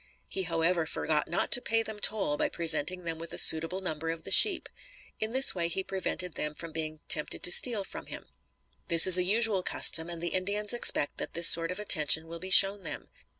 He however forgot not to pay them toll by presenting them with a suitable number of the sheep. In this way he prevented them from being tempted to steal from him. This is a usual custom, and the Indians expect that this sort of attention will be shown them.